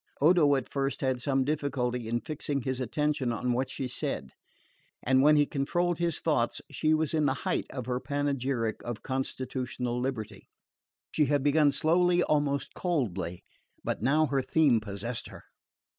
Odo at first had some difficulty in fixing his attention on what she said; and when he controlled his thoughts she was in the height of her panegyric of constitutional liberty. She had begun slowly, almost coldly; but now her theme possessed her.